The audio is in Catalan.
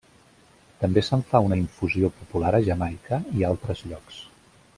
També se'n fa una infusió popular a Jamaica i altres llocs.